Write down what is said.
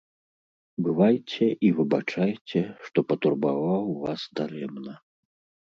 Бывайце і выбачайце, што патурбаваў вас дарэмна.